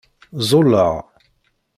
Ẓẓulleɣ.